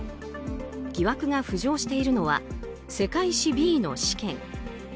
疑惑が浮上しているのは世界史Ｂの試験。